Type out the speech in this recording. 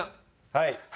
はい。